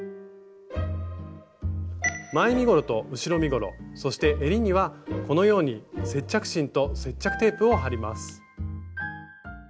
前身ごろと後ろ身ごろそしてえりにはこのように接着芯と接着テープを貼ります。